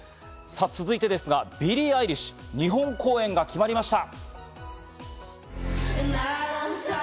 さあ続いてですが、ビリー・アイリッシュ日本公演が決まりました。